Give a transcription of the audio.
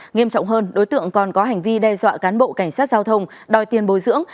nghiêm trọng hơn đối tượng còn có hành vi đe dọa cán bộ cảnh sát giao thông đòi tiền bồi dưỡng